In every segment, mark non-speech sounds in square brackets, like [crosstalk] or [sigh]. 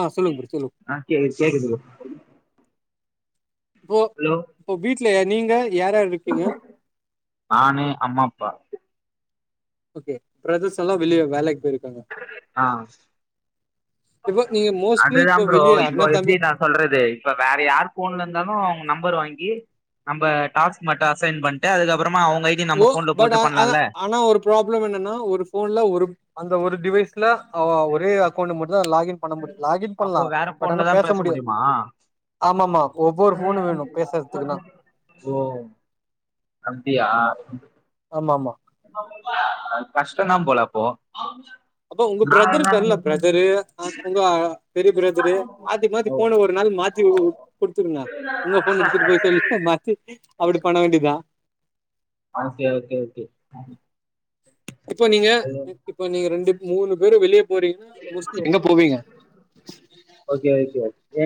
ஆ சொல்லுங்க ப்ரோ சொல்லுங்க ஆ கே கேக்குது ப்ரோ இப்போ ஹலோ இப்போ வீட்லயா நீங்க யார் யார் இருக்கீங்க? நானு அம்மா அப்பா ஓகே பிரதர்ஸ் எல்லா வெளிய வேலைக்கு போயிருக் ஆ இவு அதுதா ப்ரோ இப்போ எப்டி நா சொல்றது இப்ப வேற யாரு ஃபோன்ல இருந்தாலு அவுங்க நம்பர் வாங்கி நம்ம டாஸ்க் மட்டு அசைன் பண்ட்டு அதுக்கப்பரமா அவு ஓ பட் அ அ ஆனா ஒரு ப்ராப்ளம் என்னன்னா ஒரு ஃபோன்ல ஒரு அந்த ஒரு டிவைஸ்ல அ ஒரே அக்கௌண்ட் மட்டுதா லாகின் பண்ண முடியு லாகின் அப்போ பண்லா வேற பட் ஃபோன்ல அனா தா பேச முடியா முடியுமா ஆமாம்மா ஒவ்வொரு ஃபோனு வேணு பேசுறதுக்குன்னா ஓ அப்டியா ஆமாமா. கஷ்டந்தா போல அப்போ அப்ப உங்க நா என்ன பிரதருபெருல பிரதரு அ உங்க பெரிய பிரதரு மாத்தி மாத்தி ஓ போன ஒரு நாள் மாத்தி குடுத்துருங்க உங்க ஃபோன் எடுத்துட்டு போய் சொல்லி மாத்தி அப்படி பண்ண வேண்டியதா ஆசியாவுக்கு இருக்கு இப்ப நீங்க இப்ப நீங்க ரெண்டு மூணு பேரு வெளிய எங்க போவீங்க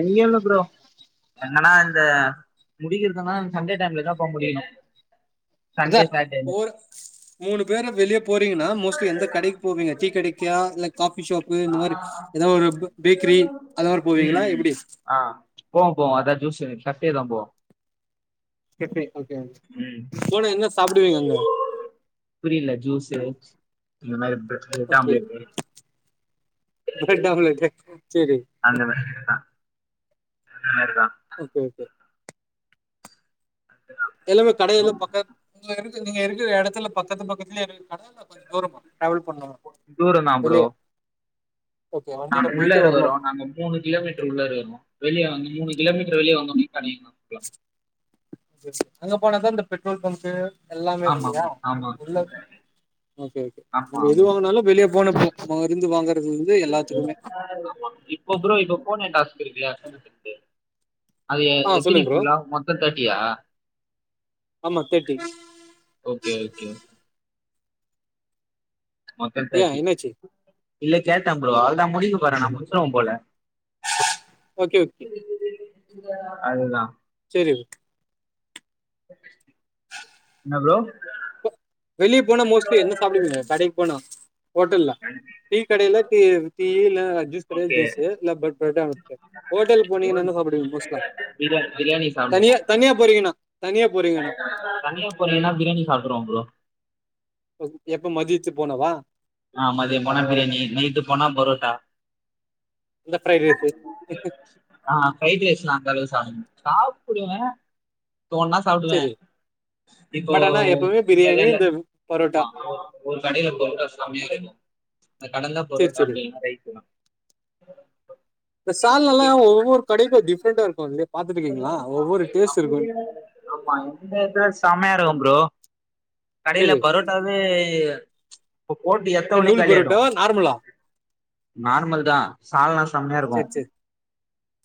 இங்க வல்ல ப்ரோ என்னனா இந்த முடிக்கிறதுன்னா சண்டே டைம்லதா போ முடியணு அதா ஓர் மூணு பேரு வெளிய போறீங்கன்னா மோஸ்ட்லி எந்த கடைக்கு போவீங்க டீ கடைக்கா காஃபி ஷாப்பு இந்த மாரி சாட்டர்டேல எதா ஒரு பேக்கிரி அத மாரி போவீங்களா ம் எப்டி ஆ போவோ போவோ அதா ஜூஸ் கஃபேதா போவோ ம் போனா என்ன சாப்பிடுவீங்க அங்க புரியல ஜூஸு இந்த மாரி ப்ர பிரட் ஓகே ஆம்லேட்டு [unintelligible] அந்த [unintelligible] அந்த மாரிதா ஓகே ஓகே எல்லாமே கடையெல்லா பக்க இருக்கு நீங்க இருக்கிற இடத்துல பக்கத்து பக்கத்துலயே இரு கட கொஞ்ச தூரமா டிராவல் பண்ணனு தூரந்தா ப்ரோ வெளிய ஓகே வண்டில நாங்க உள்ள போயிட்டு வரணு இருக்குறோ நாங்க மூணு கிலோ மீட்டர் உள்ள இருக்குறோ வெளிய வந்து மூணு கிலோமீட்டர் வெளிய வந்தோனே [unintelligible] அங்க போனாதா இந்த பெட்ரோல் பக்கு எல்லாமே ஆமா கெடைக்குதா ஆமா ஆமா உள்ள ம் ஒகே ஆமா நம்ம எது ஆமா ஆமா வாங்குனாலு வெளியே போனப்போ மருந்து வாங்கறது வந்து எல்லாத்துக்குமே இப்போ ப்ரோ இப்போ போனே டாஸ்க்குருக்குல அது எ ஆ எத்தனி சொல்லுங்க ப்ரோ ஃபுல்லா மொத்தோ தேட்டியா ஆமா தேர்ட்டி ஓகே ஓகே மொத்தோ ஏ தேட்டி என்னாச்சு இல்ல கேட்டே ப்ரோ எல்லா முடிக்க போறே நா முடிச்சுறவம்போல ஓகே ஓகே அதுதா சேரி [inaudible] என்ன ப்ரோ வெளிய போனா மோஸ்லி என்ன சாப்பிடுவீங்க கடைக் போனா ஓட்டல்ல டீ கடையில் டீ டீ இல்ல ஜூஸ் கடையில ஜூஸ் ஓகே இல்ல ப்ரட் ஹோட்டலுக் போனீங்கின்னா என்ன சாப்பிடுவீங்க புஸ்ட்லா பிரியா பிரியாணி சாப்டுவோ தனியா தனியா போறீங்கின்னா தனியா போரிங்கின்னா பிரியாணி சாப்பறோ எப் எப்ப மதியத்துக்கு போனவா ஆ மதியோ போனா பிரியாணி நைட்டு போனா புரோட்டா இந்த ஃப்ரைட் ரைஸு ஆ கை தேஸ்னா கழுவு [unintelligible] சாப்புடுவே தோண்னா சாப்ட்டுவே சரி இப்போ பட் ஆனா எப்பவுமே உங்க பிரியாணி ஏரியால இந்த பரோட்டா ஒரு கடையில புரோட்டா சாப் கடந்தா சேரி புரோட்டா சேரி அப்டின்னா வெயிட்டு தா இந்த சால்னால்லா ஒவ்வொரு கடைக்கு டிஃப்ரெண்டாருக்குல்ல ஆமா இந்த இதுல செமையாருக்கு ப்ரோ கடையில சரி பரோட்டாவே இப்போ போட்டு எத்தன இந்த மணிக் நூல் காலியாயிடு பரோட்டா நார்மலா நார்மல் தா சால்னா செம்மையாருக்கு சரி சரி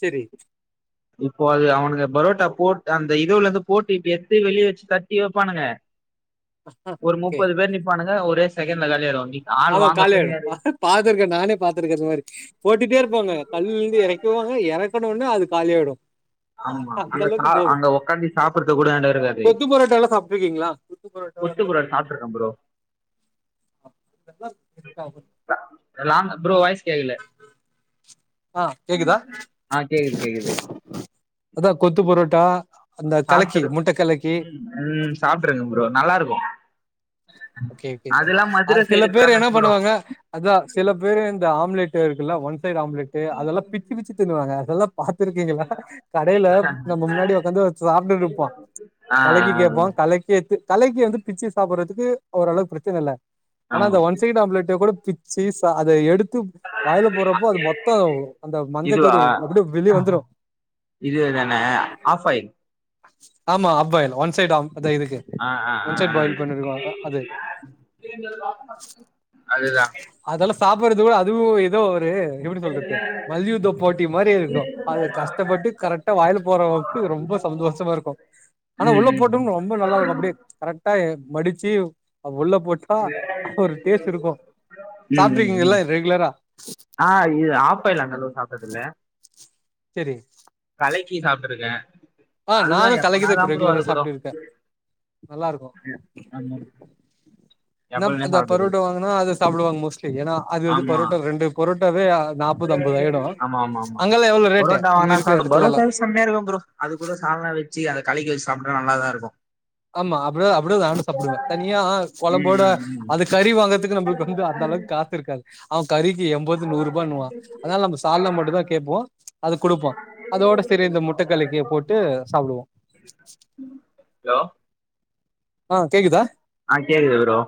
சரி இப்போ அது அவனுங்க பரோட்டா போட்டு அந்த இதுவுலருந்து போட்டு இப்ப எத்து வெளிய வச்சு கட்டி வைப்பானுங்க ஒரு ஓகே முப்பது பேர் நிப்பானுங்க ஒரே செக்கண்ட்ல காலியாயிடுவாங்க ஆமா காலியாயிடு பாத்துருக்கே நானே பாத்துருக்கே அது மாதிரி போட்டுட்டே இருப்பாங்க கல்லருந்து எறைக்கவு வு எறக்கனோன்னே அது காலியாயிடு ஆமா அங்க கா அங்க உக்காந்து சாப்புறதுக் கூட எடோருக்காது கொத்து பரோட்டா எல்லாம் சாப்பிட்டுருக்கீங்களா கொத்து பரோட்டா கொத்து எல்லாம் புரோட் சாப்ட்ருக்கே ப்ரோ [inaudible] லாமா ப்ரோ வய்ஸ் கேகல ஆ கேக்குதா ஆ கேக்குது கேக்குது அதா கொத்து புரோட்டா சாப்ட்ருக்கே ம் ம் சாப்ட்ருக்கே ப்ரோ நல்லாருக்கு ஓகே ஓகே ஆ மதுர சில சைடு பேர் என்ன ஃபேமஸ் ப்ரோ பண்ணுவாங்க அதா சில பேரு இந்த ஆம்லெட் ட்டு இருக்குல்ல ஒன் சைடு ஆம்லெட்டு அதெல்லா பிச்சு பிச்சு தின்னுவாங்க அதெல்லா பாத்திருக்கீங்ளா கடையில நம்ம முன்னாடி உக்காந்து அ சாப்ட்டுட்டுருப்பா ஆ கலைக்கி கேப்பா கலைக்கி எத்து கலைக்கி வந்து பிச்சு சாப்பறதுக்கு ஓரளவுக்கு பிரச்சன இல்ல ஆனா ஆமா அந்த ஒன் சைடு ஆம்லெட்டு கூட பிச்சு அத எடுத்து த்து வாயில போறப்போ அது மொத்தோ அந்த மஞ்ச கரு அப்டியே வெளியே வந்துரு இதே தான ஆஃப்பாயில் ஆமா ஆஃப்பாயில் ஒன் சைட் ஆம் இதுக்கு ஆ ஆ ஆ ஒன் சைட் பாயில் பண்ணிருப்பாங்க அது அதுதா அதெல்லா சாப்பர்றதுக்கு அதுவு ஏதோ த எப்பிடி சொல்றது மல்யுத்த போட்டி மாரி இருக்கு ம் ம் அது கஷ்டப்பட்டு கரெக்டா வாயில்ல போறவரக்கு ரொம்ப சந்தோஷமா இருக்கு ஆனா உள்ள போட்டு ரொம்ப நல்லாருக்கு அப்புடே கரெக்டா எ மடிச்சு அது உள்ள போட்டா அது ஒரு டேஸ்ட் இருக்கு ம் ம் ம் சாப்ட்ருக்கீங்கல்ல ரெகுலரா ஆ இது ஆஃப்பாயல் நா அந்தளவு சாப்டதில்ல செரி கலக்கி சாப்ட்டுருக்கே ஆ நானு கலக்கிதா இப்போ ரெகுலரா சாப்ட்டுருக்கே நல்லா இருக்கு ஆமா இனா எப்பவுமே அந்த சாப்பிட்டது இல்ல. பரோட்டா வாங்குனா அத சாப்டுவாங்க மோஸ்ட்லி ஏன்னா அது வந்து ஆமா பரோட்டா ரெண்டு பொரோட்டாவே அ ஆமா ஆமா ஆமா எவ்ளோ ரேட்டு பரோட்டா நீங்க வாங்குனா இருக்கிற சாப் எடத்துலலா பரோட்டாவே செம்மெயா இருக்கு ப்ரோ அது கூடோ சால்னா வெச்சி அந்த கலக்கி வெச் சாப்ட்டா நல்லாதா இருக்கு ஆமா அப்புடே அப்புடே நானு சாப்புடுவே தனியா ம் கொழம்போட ம் ம் அதுக் கறி வாங்கற்துக்கு நம்ப்ளுக்கு வந்து அந் தளவ்க் காசு இருக்காது அவ கறிக்கு எண்பது நூறுபான்னுவா அதனால் நம்ப சால்னா மட்டு தா கேப்போ அது குடுப்பா அதோட செரி இந்த முட்ட கலக்கிய போட்டு சாப்டுவோ ஹலோ கேக்குதா? ஆ கேக்குது ப்ரோ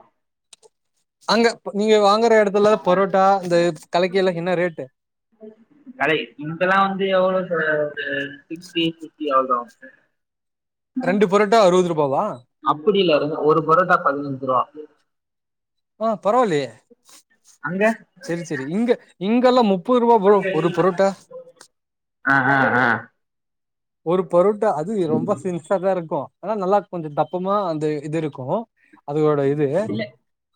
அங்க ங்குற எடத்துல பொரோட்டா இந்த கலக்கி எல்லா என்ன ரேட்டு கடை இங்க்கெல்லா வந்து எவ்ளோ [unintelligible] சிக்ஸ்டி ஃபிப்டி அவ்ளா வாங் பரோட்டா ரூ. அப்புடி இல்ல ஒ ஒரு பொரோட்டா பதின்னஞ்ருவா ஆ பரவாலயே அங்க செரி செரி இங்க இங்கெல்லா முப்பதுருபா ப்ரோ ஒரு பொரோட்டா ஆ ஆ ஆ ஒரு பொருட்டா அது ரொம்ப சின்ச தாருக்கு ஆனா நல்லா கொஞ்சு தப்புவ்மா அந்த இது இருக்கு அதோட இது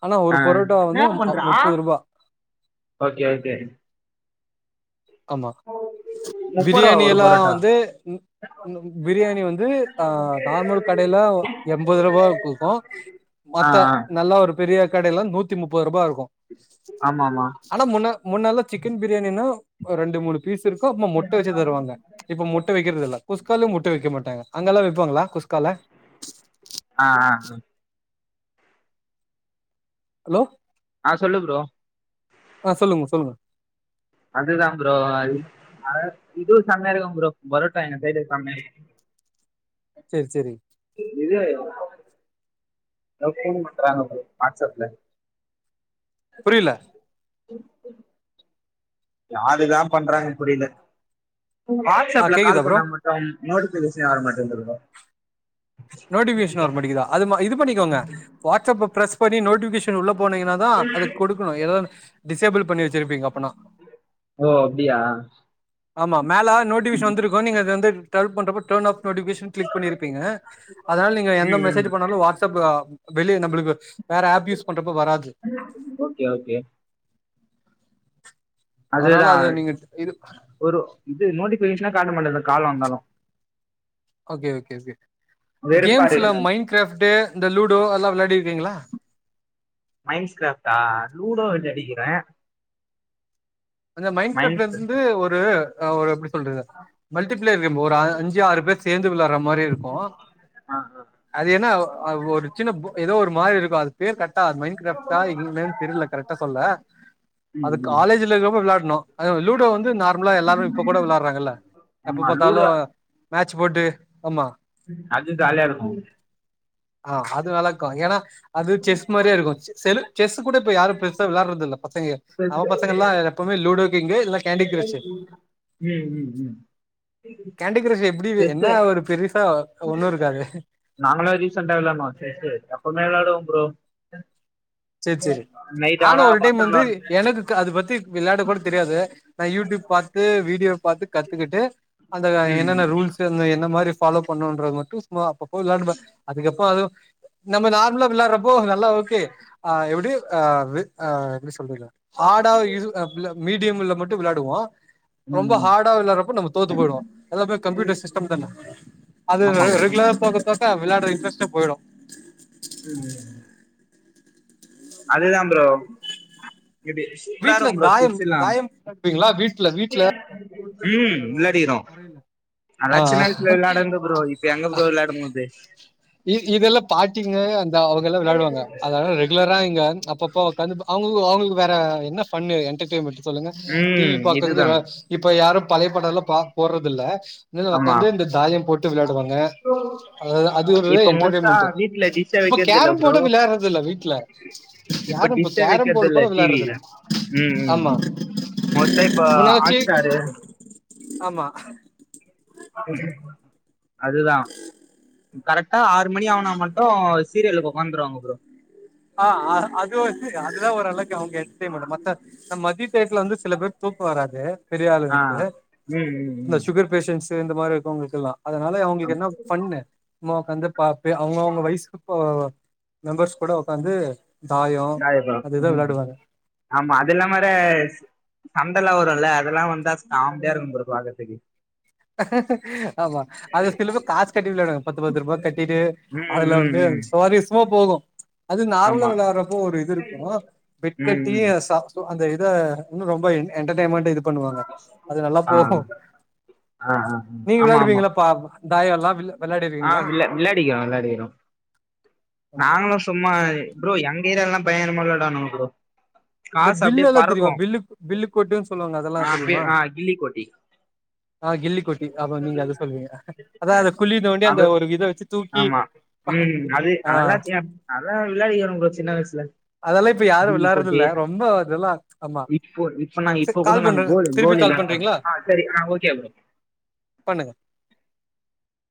ஆனா ஒரு ஆ பொரோட்டா வந்து அ முப்பது ருபா ஒக்கே ஓக்கே ஆமா முப்பது ரூபா பிரியாணி ஒரு எல்லா பரோட்டா வந்து ம் ம் பிரியாணி வந்து ஆ நார்மல் கடையில எண்பதுருபாக்கு விக்கு ஆ மத்த ஆ நல்லா ஒரு பெரிய கடைல்லா நூத்தி முப்பத்ருபா இருக்கு ஆமா ஆமா ஆனா முன்ன முன்னல்ல சிக்கன் பிரியாணினா ரெண்டு மூணு பீஸ் இருக்கு அப்மா முட்ட வெச்சு தருவாங்க இப்போ முட்ட வெக்கிறதுதில்ல குஸ்கால்யு முட்ட வெக்க மாட்டாங்க அங்கலா வெப்பாங்களா அ அ அ ஹலோ அ சொல்லு ப்ரோ அ சொல்லுங்க சொல்லுங்க அதுதா ப்ரோ அது அ இதுவு செமைய இருக்கு ப்ரோ பரோட்டா என்ன சைடு சம்மயா இரு செரி செரி இதுவு கொஸ்டின் பண்றாங்க ப்ரோ வாட்ஸப்ல புரியில யார்துக்தா பண்றாங்க புரியில ஆ வாட்ஸப்ல கால் கேக்குதா ப்ரோ பண்ணா மட்டும் நோட்டிஃபிகேஷனே வரமாட்டன்து ப்ரோ நோட்டிஃப்கேஷ்ன் வரமட்டிக்குதா அது இது பண்ணிக்கோங்க வாட்ஸப்ப ப்ரஸ் பண்ணி நோட்டிப்கேஷ் ஷன் உள்ள போனீங்கினா தா அது கொடுக்கணு எதாவ்த் டிசேபிள் பண்ணி வெச்சிருப்பீங்க அப்பனா ஓ அப்டியா ஆமா மேல நோட்டிஃபிஷன் வந்துருக்கு நீங்க அது வந்து டர்ல் பண்றப்போ டேன் ஆஃப் நோட்டிஃப்கேஷன் க்ளிக் பண்ணிருப்பீங்க அதனால நீங்க எந்த ம் மெசேஜு ம் பண்ணாலு வாட்ஸப்ப வெளிய நம்புளுக்கு வேற ஆப் யூஸ் பண்றப்ப வராது ஓகே ஓகே அதனால அதுதா அத நீங்க இது ஒரு இது நோட்டிஃபிகேஷனே காட்ட மாட்டிது காலு வந்தாலு ஓகே ஓகே ஓகே வெறுப்பா கேம்ஸ்ல இருக்கு மைண் கிராஃப்ட்டு இந்த லூடோ அதுலா வெளாடி ருகீங்களா மைண்ட்ஸ்கிராஃப்டா லூடோ விளாடிக்கிறே அந்த மைண் கிராஃப்ட்ல இருந்து ஒரு அ ஒரு எப்டி சொல்ரத மல்டிபிளேயர் கேம் ஒரு ஆ அஞ்சு ஆறு பேர் சேந்து விளாட்ற மாரி இருக்கு ஆ ஆ அது என்னா அ ஒரு சின்ன பு ஏதோ ஒரு மாரி இருக்கு அது பேர் கர்க்டா அது மைண்ட்கிராஃப்ட்டா என்னன் தெரில கரெக்டா சொல்ல அது ம் ம் காலேஜ்ல எதோ விளாட்னோ அதுவு லூடோ வந்து நார்மலா எல்லாரு இப்ப கூட விளாட்றாங்கல்ல எப்ப ஆமா பாத்தாலு லூடோ மேச் போட்டு ஆமா அது ஜாலியா இருக்கும் ஆ அது நல்லாக்கு ஏனா அது செஸ் மாரியே இருக்கு செ செலு செஸ்ஸு கூட இப்ப யாரு பெர்சா விளாட்றதில்ல பசங்கய செஸ் நம்ம பசங்கள்லா இங்க இதெல்ல கேண்டி கிரஷு ம் ம் ம் கேண்டி கிரஷு எப்டி என்ன ஒரு பெரிசா நாங்களா ரீசன்டா விளாட்னோ செஸ்ஸு எப்போமே விளாடுவோ ப்ரோ சேர் சேரி நைட் ஆனா ஒரு டைம் பசங்க வந்து விளையாடுவோம் எனக்கு க அது பத்தி விளாட கூட தெரியாது நா யூட்யூப் பாத்து வீடியோ பாத்து கத்துக்கிட்டு அந்த ர ம் என்னென்ன ரூல்ஸுனு என்ன மாரி ஃபாலோ பண்ணுன்றது மட்டு சும்மா அப்போ போய் விளாட்ணுமா அதுக்கப்போ அதுவு நம்ம நார்மலா விளாட்றப்போ அ நல்லா ஓகே ஆ எப்டி ஆ அப்டி ஆ எப்டி சொல்றதுனா ஹார்டா இது அ மில்ல மீடியமுல மட் டு விளாடுவோ ரொம்ப ம் ம். ஹார்டா விளாட்றப்ப நம்ம தோத்து போயிடுவோ எல்லாமே கம்யூட்டர் சிஸ்டம் தான அது ஆமா ரெகு ஆமா ரெகுலரா போக தோத்தா விளாட்ற இன்ட்ரெஸ்ட்டே போயிடு ம் அதுதா ப்ரோ இது சூப்பரா வீட்ல இருக்கும் ப்ரோ தாயம் செஸ் எல்லாம் தாயம் விளாடுவீங்ளா வீட்ல வீட்ல [inaudible] விளாடுவோல அந்த மா வரைல அதா சின்ன வயசுல விளாடன்து ப்ரோ இப்ப எங்க ப்ரோ விளாடமுடிது இ இதெல்லா பாட்டிங்க அந்த அவ் கள்லா விளாடுவாங்க அதலா ரெகுலரா இங்க அப்பப்ப ஒக்காந்துப்ப அவ்ங்கள்க்கு அவங்களுக்கு வேற என் ன்ன என்டர்டெய்மெண்ட்டு சொல்லுங்க டி வி ம் பாக்றதுங்குற இதுதான் இப்ப யாரு பழையப் படலா பா போட்றதில்ல திண்ணைல ஒக்காந்து இந்த தாயம் போட்டு விளாடுவாங் ப்ரோ அதுதா அது ஒருதே என்டர்டெய்ன்மெண்ட்டு டிஷ்ஷே இப்ப வைக்கிறது இல்ல கேரம் ப்ரோ போர்டே விளாட்றதில்ல வீட்ல இப்ப யாரும் டிஷ்ஷ கேரம் போர்டு வெக்கற்தில்ல கூட டி வி ல விளையாடுறதில்ல. ம் ம் ஆமா ம் மோஸ்டா இப்ப முன்னாச்சு ஆட்ஸ்டாரு ஆமா அதுதா ம் கரெக்டா ஆறு மணி ஆவுனா மட்டு சீரியலுக்கு ஒக்காந்துருவாங்க ப்ரோ ஆ ஆ அது வச்சுக்க அதுலா ஓரளவுக்கு அவ்ங்க என்டர்டெய்ன்மென்ட்டு மத்த நம் மதி டேட்ல வந்து சில பேர் தூக்க வராது பெரிய ஆ ஆளுங்களுக்கு ம் ம் இந்த ம் சுகர் பேஷன்ட்ஸ் தி இந்த மாரி இருக்கவ்ங்களுக்கெல்லா அதனால அவ்ங்களுக்கு என்ன ஃபன்னு மா வந்து பாப்பே அவ்ங்கவ்ங்க வயசுக்கு இப்ப மெம்பர்ஸ் கூட ஒக்காந்து நாயகா ம் ஆமா அது இல்லாம வர சந்தல வரு ம்ல அதெல்லா வந்தா ஸ்காம்டியா இருக்கு ப்ரோ பாக்கற்த்துக்கு ஆமா அதுல சில பேரு காசு கட்டி விளாடுவாங்க பத்து பத்து ரூபா கட்டிட்டு அதுல வந்து ம் சுவாரிஸ்மா போகு அது நார்மலா ஆமா விளாட்றப்போ ஒரு இது இருக்கு ம் பெட்கட்டி ம் அ சா சோ அந்த இத இன்னு ரொம்ப என் என்டர்டெய்ன்மெண்ட இது பண்ணுவாங்க அது நல்லா ஆ போகு ஆ ஆ நீங்க ஆமா ஆமா விளாடுவீங்களப் பாப்போ தாயோல்லா வில்ல ஆ விள விளாடிக்கறோ விளாடிக்கறோ ஓகே நாங்களு சும்மா ப்ரோ எங்க ஏரியாலலா பயங்கரமா வெளையாடுவானுங்க ப்ரோ இந்த காசு பில்லு அப்டியே எல்லா பறக்கு தெரிமா பில்லுக்கு பில்லு கோட்டுன்னு சொல்லுவாங்க அதெல்லா ஆ அப்டியே தெரிமா ஆ கில்லி கோட்டி ஆ கில்லி கொட்டி அப்ப நீங்க அது சொல்வீங்க அதா அது குளி தோண்டி அந்த ஒரு இத வச்சு தூக்கி ஆமா ம் அது ஆ அதல்லா சியா அதெல்லா விளாடிக்கர ப்ரோ சின்ன வயசுல அதல்லா இப்ப யாரு கில்லி கோட்டு விளாடுறதுல்ல இப்போ இப்ப நா சரி இப்ப கூட கால் நாங்க பண்றே கோல் திருப்பி கோல் கால் பண்றீங்களா [unintelligible] ஆ செரி ஆ ஓகே ப்ரோ பண்ணுங்க